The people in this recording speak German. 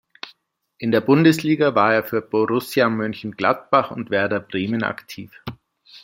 In der Bundesliga war er für Borussia Mönchengladbach und Werder Bremen aktiv.